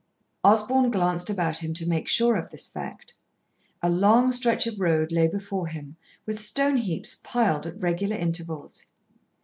Osborn glanced about him to make sure of this fact. A long stretch of road lay before him, with stone heaps piled at regular intervals.